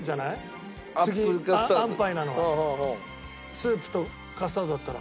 スープとカスタードだったら。